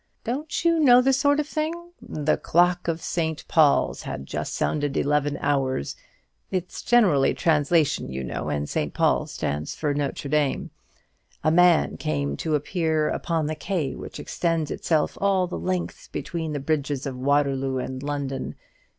Don't you know the sort of thing? 'The clock of St. Paul's had just sounded eleven hours;' it's generally a translation, you know, and St. Paul's stands for Notre Dame; 'a man came to appear upon the quay which extends itself all the length between the bridges of Waterloo and London.'